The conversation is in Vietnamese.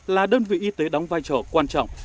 là đơn vị y tế đóng vai trò quan trọng